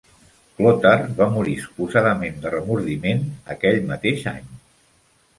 Chlothar va morir suposadament de remordiment aquell mateix any.